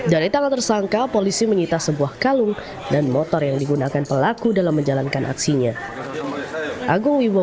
dari tangan tersangka polisi menyita sebuah kalung dan motor yang digunakan pelaku dalam menjalankan aksinya